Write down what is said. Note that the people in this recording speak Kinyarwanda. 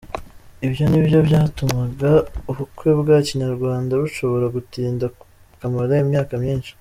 Ibyo ni byo byatumaga ubukwe bwa Kinyarwanda bushobora gutinda bukamara imyaka myinshi.